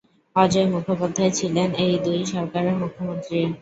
অজয় মুখোপাধ্যায় ছিলেন এই দুই সরকারের মুখ্যমন্ত্রী।